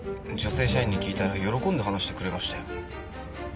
女性社員に聞いたら喜んで話してくれましたよ。